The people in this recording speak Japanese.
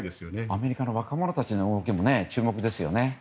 アメリカの若者たちの動きも注目ですよね。